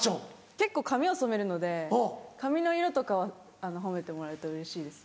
結構髪を染めるので髪の色とかは褒めてもらえるとうれしいです。